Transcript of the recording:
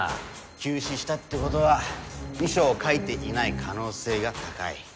急死したってことは遺書を書いていない可能性が高い。